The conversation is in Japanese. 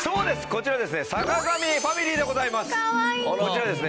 こちらはですね坂上ファミリーでございます。